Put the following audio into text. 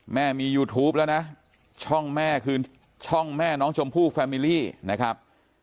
แม่มียูทูปแล้วนะช่องแม่คือช่องแม่น้องชมพู่แฟมิลี่นะครับ